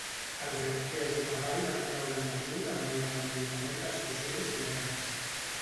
Els arquers a cavall van caure en desús amb el desenvolupament dels fusells moderns.